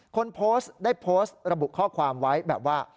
คนโพสต์ได้โพสต์ระบุข้อความไว้แบบว่า